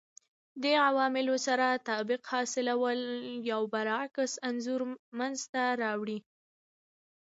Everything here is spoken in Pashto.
دې عواملو سره تطابق حاصلولو یو برعکس انځور منځته راوړي